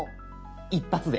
一発で。